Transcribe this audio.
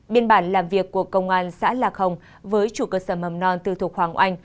biên bản làm việc của công an xã lạc hồng với chủ cơ sở mầm non tư thuộc hoàng oanh